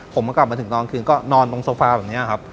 ผมกลับมาถึงตอนคืนก็นอนตรงโซฟาแบบนี้ครับ